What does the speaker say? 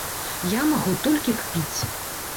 Я магу толькі кпіць.